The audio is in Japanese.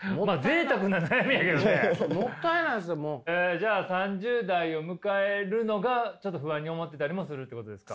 じゃあ３０代を迎えるのがちょっと不安に思ってたりもするっていうことですか？